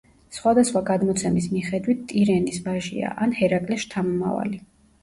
სხვადასხვა გადმოცემის მიხედვით, ტირენის ვაჟია ან ჰერაკლეს შთამომავალი.